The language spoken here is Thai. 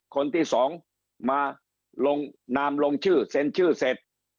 คนที่สองมาลงนามลงชื่อเซ็นชื่อเสร็จ